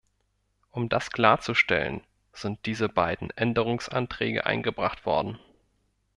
Um das klarzustellen, sind diese beiden Änderungsanträge eingebracht worden.